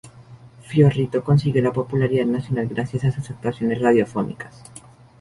Fio Rito consiguió la popularidad nacional gracias a sus actuaciones radiofónicas.